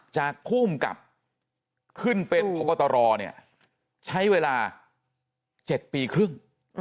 ภูมิกับขึ้นเป็นพบตรใช้เวลา๗ปีครึ่ง